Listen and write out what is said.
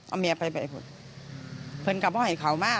เอาแม่ไปไว้พูดเพื่อนกันเพราะให้ขาวมา